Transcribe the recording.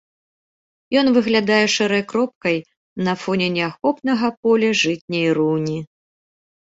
Ён выглядае шэрай кропкай на фоне неахопнага поля жытняй руні.